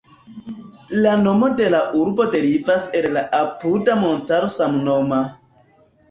La nomo de la urbo derivas el la apuda montaro samnoma.